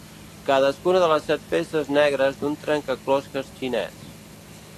Cadascuna de les set peces negres d'un trencaclosques xinès.